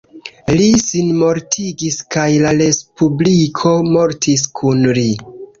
Li sinmortigis kaj la Respubliko mortis kun li.